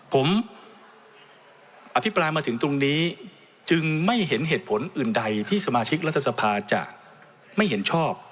ผมอภิปรายมาถึงตรงนี้จึงไม่เห็นเหตุผลอื่นใดที่สมาชิกรัฐสภาจะไม่เห็นชอบ